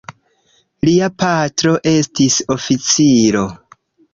Lia patro estis oficiro.